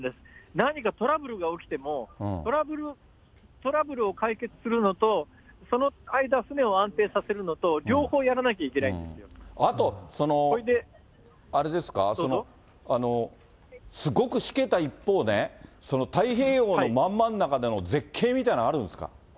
何かトラブルが起きても、トラブルを解決するのと、その間、船を安定させるのと、あと、あれですか、すごくしけた一方ね、太平洋のまん真ん中での絶景みたいなのあるんですか？